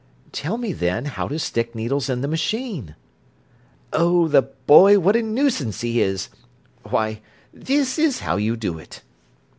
"Tell me, then, how to stick needles in the machine." "Oh, the boy, what a nuisance he is! Why, this is how you do it."